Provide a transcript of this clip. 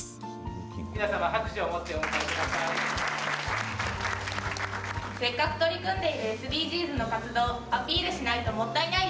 皆様、拍手をもってお迎えください。